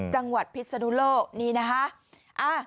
จังหวัดพิษนุโลกนี่นะฮะ